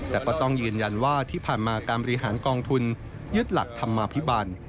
แต่ก็ต้องยืนยันว่าที่ผ่านมาการบริหารกองทุนยึดหลักธรรมาภิบัน